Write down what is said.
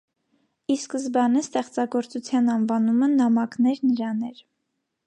Ի սկզբանե ստեղծագործության անվանումը «Նամակներ նրան» էր։